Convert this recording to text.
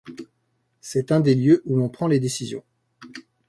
C'est un des lieux où l'on prend les décisions.